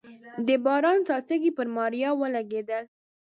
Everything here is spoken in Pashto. د باران څاڅکي پر ماريا ولګېدل.